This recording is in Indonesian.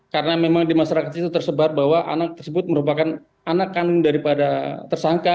karena memang di masyarakat itu tersebar bahwa anak tersebut merupakan anak kaning daripada tersangka